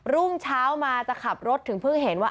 รุ่งเช้ามาจะขับรถถึงเพิ่งเห็นว่า